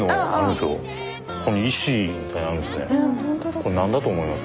これ何だと思います？